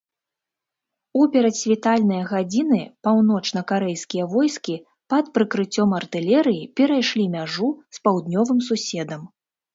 У перадсвітальныя гадзіны паўночнакарэйскія войскі пад прыкрыццём артылерыі перайшлі мяжу з паўднёвым суседам.